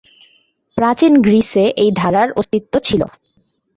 প্রাচীন গ্রিসে এই ধারার অস্তিত্ব ছিল।